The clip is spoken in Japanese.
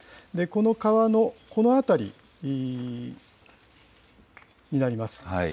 この川のこの辺り、になります。